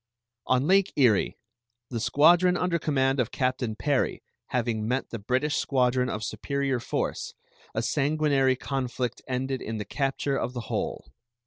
On Lake Erie, the squadron under command of Captain Perry having met the British squadron of superior force, a sanguinary conflict ended in the capture of the whole.